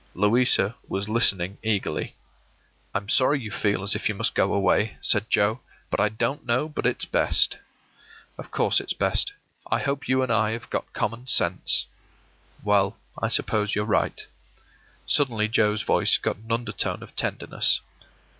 Louisa was listening eagerly. “I'm sorry you feel as if you must go away,” said Joe, “but I don't know but it's best.” “Of course it's best. I hope you and I have got common sense.” “Well, I suppose you're right.” Suddenly Joe's voice got an undertone of tenderness.